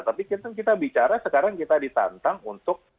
tapi kita bicara sekarang kita ditantang untuk